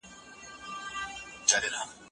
خپل ورېښتان په ښه ډول ږمنځ کوئ.